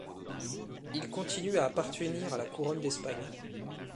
Il continue à appartenir à la Couronne d'Espagne.